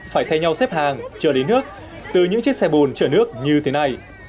phải theo nhau xếp hàng chở đến nước từ những chiếc xe bồn chở nước như thế này